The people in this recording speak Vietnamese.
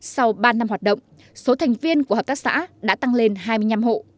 sau ba năm hoạt động số thành viên của hợp tác xã đã tăng lên hai mươi năm hộ